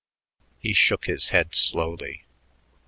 He shook his head slowly.